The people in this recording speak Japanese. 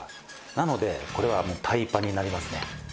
「なのでこれはもうタイパになりますね」